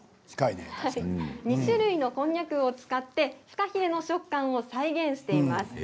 ２種類のこんにゃくを使ってフカヒレの食感を再現しています。